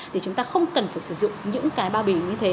thì chúng ta không cần phải sử dụng những cái bao bì như thế